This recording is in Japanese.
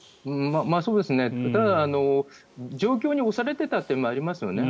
ただ、状況に押されていたというのもありますね。